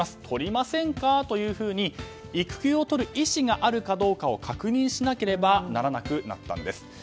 取りませんか？というふうに育休をとる意思があるかどうかを確認しなければならなくなったんです。